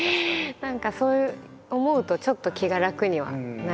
何かそういう思うとちょっと気が楽にはなります。